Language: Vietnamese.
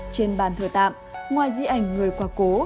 trên bàn thờ tạm ngoài di ảnh người qua cố